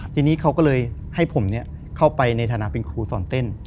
ทีนี้เขาก็เลยให้ผมเข้าไปในฐานะเป็นครูสอนเต้น